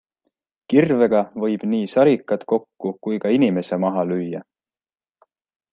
Kirvega võib nii sarikad kokku kui ka inimese maha lüüa.